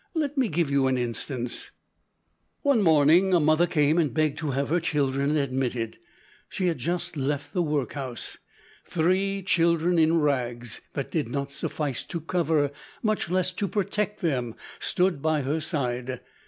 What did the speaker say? Let me give you an instance: "One morning a mother came and begged to have her children admitted. She had just left the workhouse. Three children in rags, that did not suffice to cover much less to protect them, stood by her side.